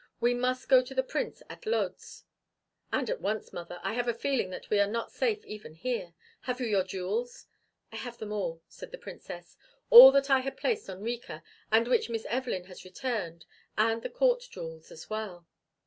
We must go to the Prince at Lodz." "And at once, mother! I have a feeling that we are not safe even here. Have you your jewels?" "I have them all," said the Princess. "All that I had placed on Rika, and which Miss Evelyn has returned, and the court jewels as well.